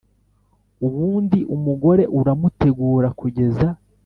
Ubundi umugore uramutegura kugeza